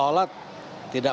tidak mencari penyampaian